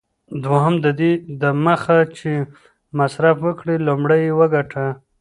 دوهم: ددې دمخه چي مصرف وکړې، لومړی یې وګټه.